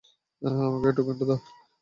আমাকে টোকেনটা দে।